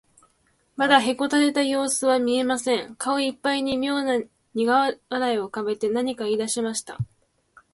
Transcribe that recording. まだへこたれたようすは見えません。顔いっぱいにみょうなにが笑いをうかべて、何かいいだしました。